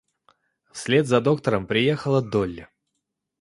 Вслед за доктором приехала Долли.